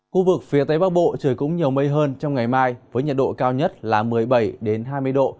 khu vực phía tây bắc bộ trời cũng nhiều mây hơn trong ngày mai với nhiệt độ cao nhất là một mươi bảy hai mươi độ